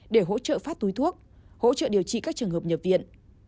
để hỗ trợ phát túi thuốc hỗ trợ điều trị các trường hợp nhập viện